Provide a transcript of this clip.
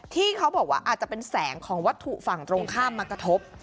ที่เขาบอกว่าอาจจะเป็นแสงของวัตถุฝั่งตรงข้ามมากระทบ